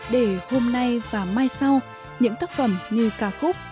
để hôm nay và mai sau những tác phẩm như ca khúc